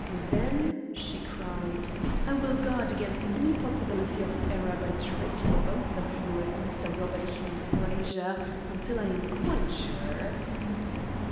"Then," she cried, "I will guard against any possibility of error by treating both of you as Mr. Robert Hume Frazer until I am quite sure."